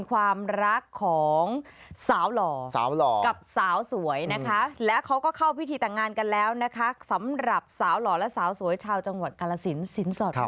ประสัตว์เตียงให้เนี่ยออส